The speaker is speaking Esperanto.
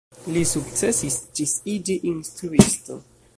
Li sukcesis ĝis iĝi instruisto.